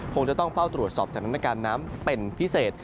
คงจะต้องเฝ้าตรวจสอบสถานการณ์น้ำเป็นพิเศษ